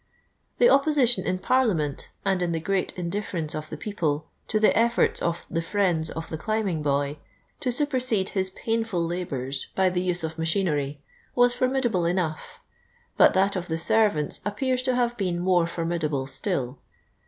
The opposition in Parliament, and in the general indifierence of the people, to the efforts of " the friends of the climbing boy" to supersede his painful labours by the use of machinery, was formidable enough, but that of the servants appears to have, been more formidable still.